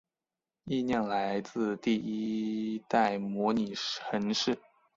意念来自第一代模拟城市。